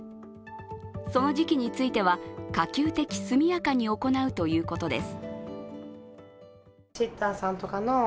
その時期については、可及的速やかに行うということです。